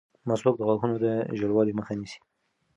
مسواک د غاښونو د ژېړوالي مخه نیسي.